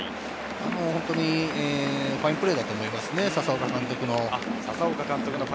本当にファインプレーだと思いますね、佐々岡監督の。